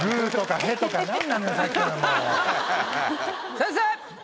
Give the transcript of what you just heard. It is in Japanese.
先生！